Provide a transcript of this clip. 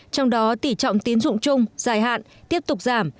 trong đó tỉ trọng tín dụng chung dài hạn tiếp tục giảm